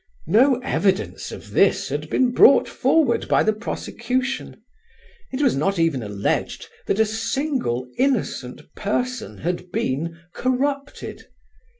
No evidence of this had been brought forward by the prosecution. It was not even alleged that a single innocent person had been corrupted.